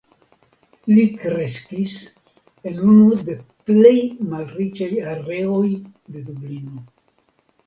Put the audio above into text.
Li kreskis en unu de plej malriĉaj areoj de Dublino.